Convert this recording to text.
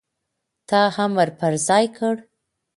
تا امر پر ځای کړ،